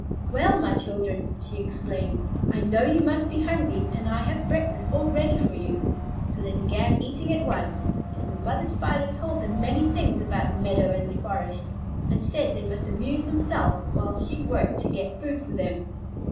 "Well, my children," she exclaimed, "I know you must be hungry, and I have breakfast all ready for you." So they began eating at once, and the mother Spider told them many things about the meadow and the forest, and said they must amuse themselves while she worked to get food for them.